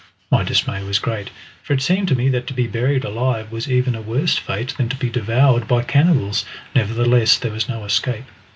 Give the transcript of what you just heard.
My dismay was great, for it seemed to me that to be buried alive was even a worse fate than to be devoured by cannibals, nevertheless there was no escape.